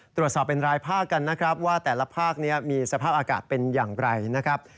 ตรวจสอบเป็นรายภาคกันนะครับว่าแต่ละภาคนี้มีสภาพอากาศเป็นอย่างไรนะครับ